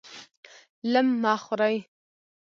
لم مه خورئ!